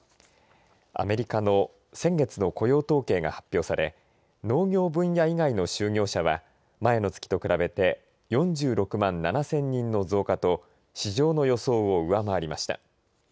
アメリカの先月の雇用統計が発表され農業分野以外の就業者は前の月と比べて４６万７０００人の増加と市場の予想を上回りました。